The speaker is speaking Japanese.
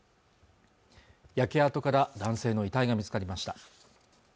焼け跡から男性の遺体が見つかりました